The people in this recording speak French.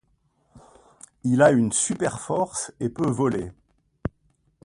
Il a une super-force et peut voler.